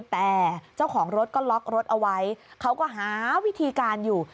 แต่เจ้าของรถก็ล็อกรถเอาไว้เขาก็หาวิธีการอยู่